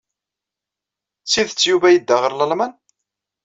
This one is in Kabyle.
D tidet Yuba yedda ɣer Lalman?